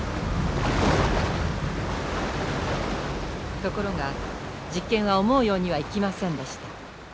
ところが実験は思うようにはいきませんでした。